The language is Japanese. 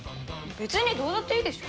別にどうだっていいでしょ。